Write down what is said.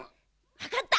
わかった！